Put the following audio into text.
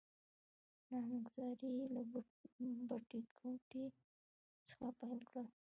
نامګذارې يې له بټې ګوتې څخه پیل کړل.